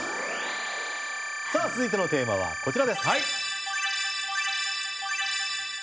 さあ続いてのテーマはこちらです。